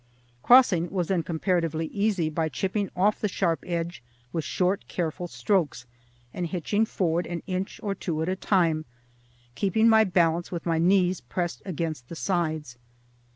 Crossing was then comparatively easy by chipping off the sharp edge with short, careful strokes, and hitching forward an inch or two at a time, keeping my balance with my knees pressed against the sides.